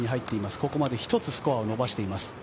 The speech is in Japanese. ここまで１つスコアを伸ばしています。